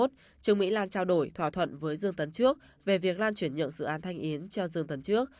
trương mỹ lan trao đổi thỏa thuận với dương tấn trước về việc lan chuyển nhượng dự án thanh yến cho dương tấn trước